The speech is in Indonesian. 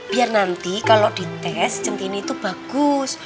biar nanti kalo dites centini tuh bagus